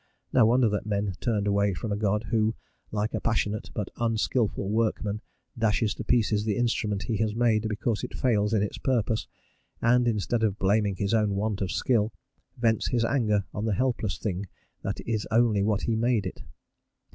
No wonder that men turned away from a God who, like a passionate but unskilful workman, dashes to pieces the instrument he has made because it fails in its purpose, and, instead of blaming his own want of skill, vents his anger on the helpless thing that is only what he made it.